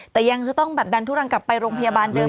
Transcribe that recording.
แต่ยังจะต้องแบบดันทุรังกลับไปโรงพยาบาลเดิม